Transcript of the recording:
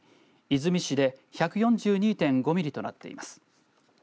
出水市で１４２．５ミリとなっています。